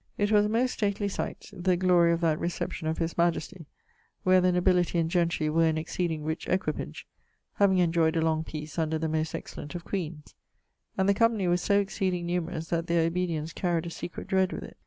It was a most stately sight, the glory of that reception of his majesty, where the nobility and gentry were in exceeding rich equippage, having enjoyed a long peace under the most excellent of queens; and the company was so exceeding numerous that their obedience carried a secret dread with it.